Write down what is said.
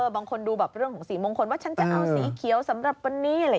บางคนดูแบบเรื่องของสีมงคลว่าฉันจะเอาสีเขียวสำหรับวันนี้